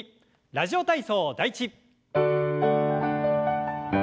「ラジオ体操第１」。